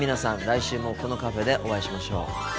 来週もこのカフェでお会いしましょう。